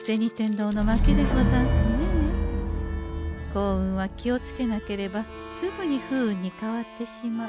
幸運は気をつけなければすぐに不運に変わってしまう。